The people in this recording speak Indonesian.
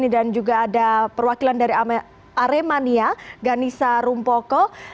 dan juga ada perwakilan dari aremania ganisa rumpoko